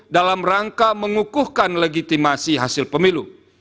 dalam rangka mengukuhkan legitimasi hasil pemilu